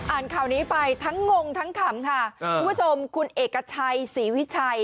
ข่าวนี้ไปทั้งงงทั้งขำค่ะคุณผู้ชมคุณเอกชัยศรีวิชัย